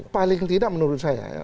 paling tidak menurut saya ya